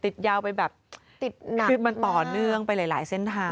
ติดยาวไปแบบคือมันต่อเนื่องไปหลายเส้นทาง